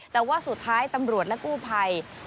แต่ว่าสุดท้ายตำรวจและกู้ภัย